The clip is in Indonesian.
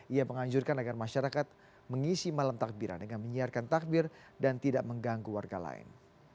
ia menganjurkan agar masyarakat mengisi malam takbiran dengan menyiarkan takbir dan tidak mengganggu warga lain